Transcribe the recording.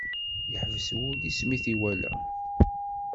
Yeḥbes wul-is mi i t-iwala.